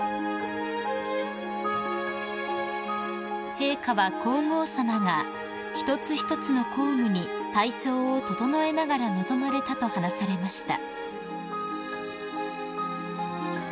［陛下は皇后さまが一つ一つの公務に体調を整えながら臨まれたと話されました］